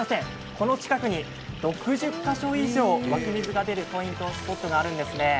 この近くに６０か所以上湧き水が出るスポットがあるんですね。